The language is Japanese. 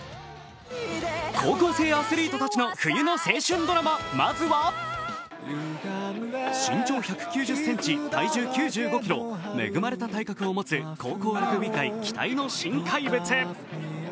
高校生アスリートたちの冬の青春ドラマ、まずは身長１９０ｃｍ、体重９５ｋｇ、恵まれた体格を持つ高校ラグビー界期待の新怪物。